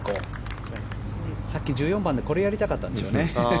さっき１４番で、これをやりたかったんでしょうね。